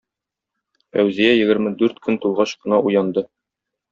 Фәүзия егерме дүрт көн тулгач кына уянды.